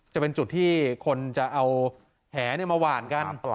จะเป็นจุดที่คนจะเอาแหมาหวานกัน